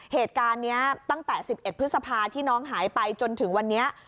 เหตุการณ์นี้ตั้งแต่๑๑พฤษภาที่น้องหายไปจนถึงวันนี้